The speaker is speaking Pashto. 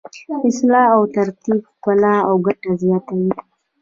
اصلاح او ترتیب ښکلا او ګټه زیاتوي.